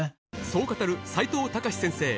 そう語る齋藤孝先生